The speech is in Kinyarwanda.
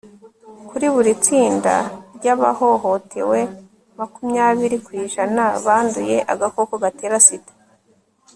kuri buri tsinda ry' abahohotewe makumyabiri kw'ijana banduye agakoko gatera sida